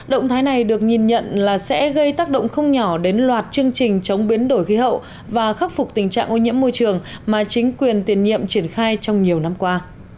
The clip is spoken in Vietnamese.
động thái này được nhìn nhận là sẽ gây tác động không nhỏ đến loạt chương trình chống biến đổi khí hậu và khắc phục tình trạng ô nhiễm môi trường mà chính quyền tiền nhiệm triển khai trong nhiều năm qua